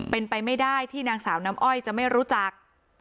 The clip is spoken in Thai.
เป็นไปไม่ได้ที่นางสาวน้ำอ้อยจะไม่รู้จัก